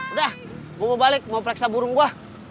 udah gue mau balik mau periksa burung gue